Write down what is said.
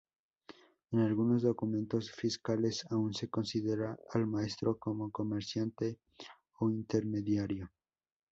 En algunos documentos fiscales aún se considera al maestro como comerciante o intermediario.